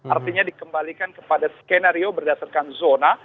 artinya dikembalikan kepada skenario berdasarkan zona